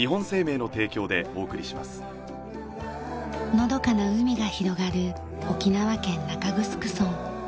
のどかな海が広がる沖縄県中城村。